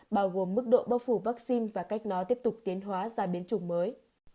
bao gồm mức độ bóc phủ vaccine và cách nó tiếp tục tiến hóa ra biến chủng mới